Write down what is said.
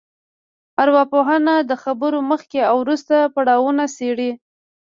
ارواپوهنه د خبرو مخکې او وروسته پړاوونه څېړي